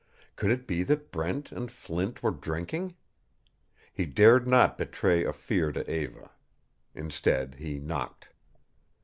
Could it be that Brent and Flint were drinking? He dared not betray a fear to Eva. Instead he knocked.